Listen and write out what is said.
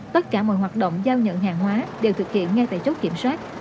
tất cả mọi hoạt động giao nhận hàng hóa đều thực hiện ngay tại chốt kiểm soát